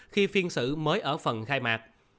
khi phiên xử mới ở phần khai mạc